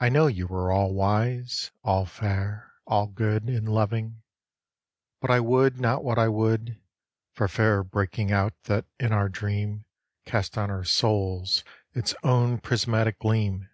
I know you are all wise, all fair, all good In loving, but I would not what I would, For fear of breaking ought that in our dream Casts on our souls its own prismatic gleam.